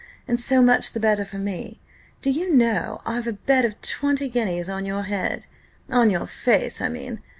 And so much the better for me. Do you know, I've a bet of twenty guineas on your head on your face, I mean.